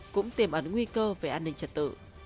cũng tiềm ẩn nguy cơ về an ninh trật tự